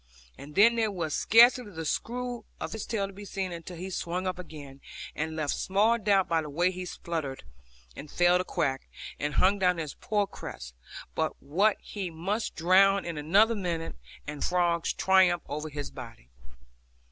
And then there was scarcely the screw of his tail to be seen until he swung up again, and left small doubt by the way he sputtered, and failed to quack, and hung down his poor crest, but what he must drown in another minute, and frogs triumph over his body.